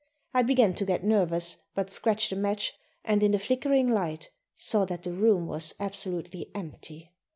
I began to get nervous, but scratched a match and in the flickering light saw that the room was absolutely empty.